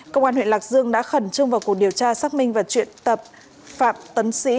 công an huyện lạc dương đã khẩn trương vào cuộc điều tra xác minh và truyện tập phạm tấn sĩ